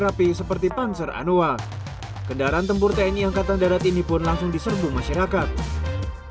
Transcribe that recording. rapi seperti panser anua kendaraan tempur tni angkatan darat ini pun langsung diserbu masyarakat